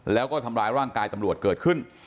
แล้วก็ทำร้ายร่างกายตำรวจเกิดขึ้น